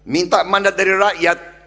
minta mandat dari rakyat